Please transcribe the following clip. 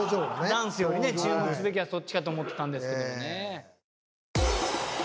ダンスよりね注目すべきはそっちかと思ってたんですけどね。